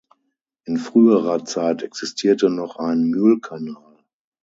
In früherer Zeit existierte noch ein Mühlkanal.